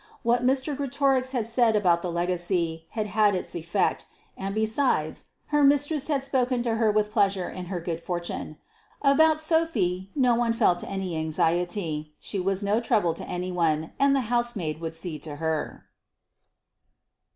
What Mr. Greatorex had said about the legacy, had had its effect, and, besides, her mistress had spoken to her with pleasure in her good fortune. About Sophy no one felt any anxiety: she was no trouble to any one, and the housemaid would see to her.